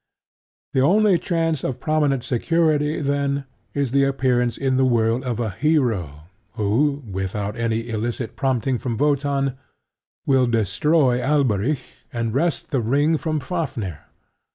The only chance of permanent security, then, is the appearance in the world of a hero who, without any illicit prompting from Wotan, will destroy Alberic and wrest the ring from Fafnir.